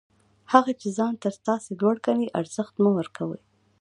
هغه چي ځان تر تاسي لوړ ګڼي، ارزښت مه ورکوئ!